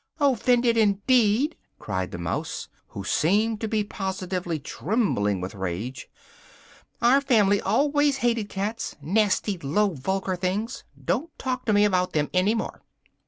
"Offended indeed!" cried the mouse, who seemed to be positively trembling with rage, "our family always hated cats! Nasty, low, vulgar things! Don't talk to me about them any more!"